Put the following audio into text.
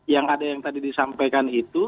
yang ada yang tadi disampaikan itu